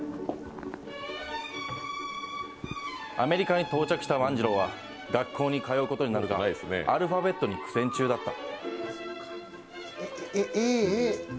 アメリカに到着した万次郎は学校に通うことになるがアルファベットに苦戦中だった。